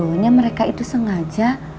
sebetulnya mereka itu sengaja